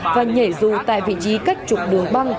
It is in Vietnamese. và nhảy dù tại vị trí cách trục đường băng